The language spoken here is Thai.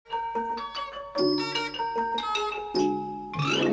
การทำลวดสปริงในงานดอกไม้ไหวทองเหลือง